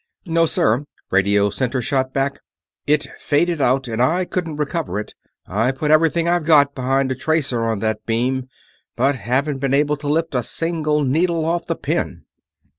"No, sir," Radio Center shot back. "It faded out and I couldn't recover it. I put everything I've got behind a tracer on that beam, but haven't been able to lift a single needle off the pin."